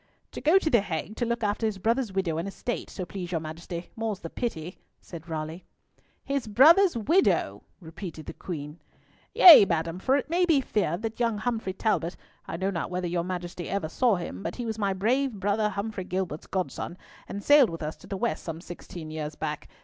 "To go to the Hague to look after his brother's widow and estate, so please your Majesty; more's the pity," said Raleigh. "His brother's widow?" repeated the Queen. "Yea, madam. For it may be feared that young Humfrey Talbot—I know not whether your Majesty ever saw him—but he was my brave brother Humfrey Gilbert's godson, and sailed with us to the West some sixteen years back.